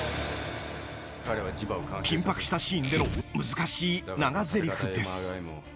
［緊迫したシーンでの難しい長ぜりふです］